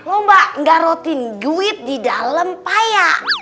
lomba ngarotin duit di dalam payah